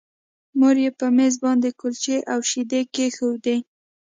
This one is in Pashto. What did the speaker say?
مور یې په مېز باندې کلچې او شیدې کېښودې